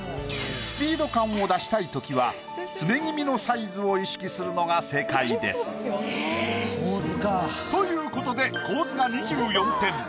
スピード感を出したいときは詰め気味のサイズを意識するのが正解です。ということで構図が２４点。